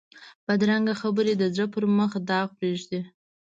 بدرنګه خبرې د زړه پر مخ داغ پرېږدي